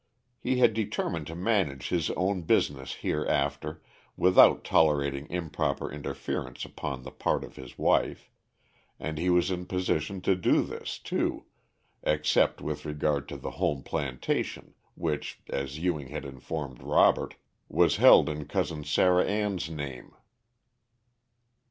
He had determined to manage his own business hereafter without tolerating improper interference upon the part of his wife, and he was in position to do this, too, except with regard to the home plantation, which, as Ewing had informed Robert, was held in Cousin Sarah Ann's name.